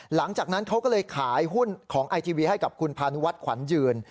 หลังจากนั้นเขาก็เลยขายหุ้นของไอทีวีให้กับคุณพานุวัฒน์ขวัญยืน